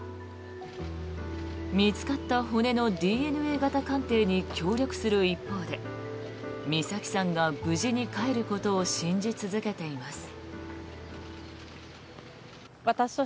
見つかった骨のＤＮＡ型鑑定に協力する一方で美咲さんが無事に帰ることを信じ続けています。